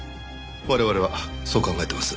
我々はそう考えてます。